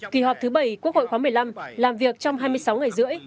kỳ họp thứ bảy quốc hội khóa một mươi năm làm việc trong hai mươi sáu ngày rưỡi